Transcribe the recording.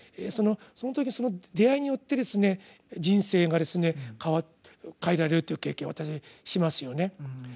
その時その出会いによってですね人生が変えられるという経験を私たちしますよね。